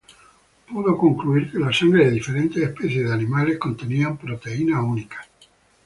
Pudo concluir que la sangre de diferentes especies de animales contenía proteínas únicas.